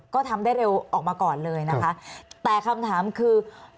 ก็ทำได้เร็วออกมาก่อนเลยนะคะแต่คำถามคือ